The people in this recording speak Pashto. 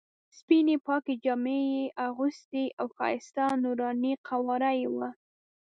سپینې پاکې جامې یې اغوستې او ښایسته نوراني قواره یې وه.